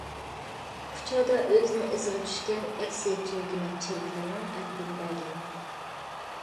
كۇچادا ئۆزىنىڭ ئىزىغا چۈشكەن ئەكسىيەتچى ھۆكۈمەت چېرىكلىرىنىڭ ئەدىپىنى بەرگەن.